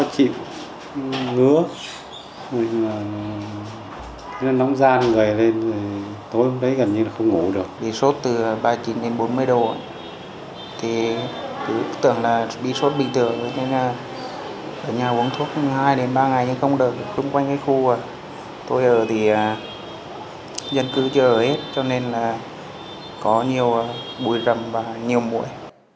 có nhiều bùi rầm và nhiều mũi